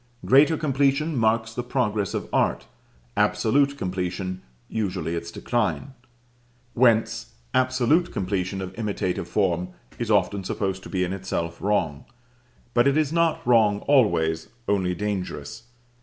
Greater completion marks the progress of art, absolute completion usually its decline; whence absolute completion of imitative form is often supposed to be in itself wrong. But it is not wrong always, only dangerous.